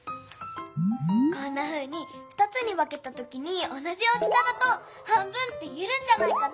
こんなふうに２つにわけたときにおなじ大きさだと半分っていえるんじゃないかな。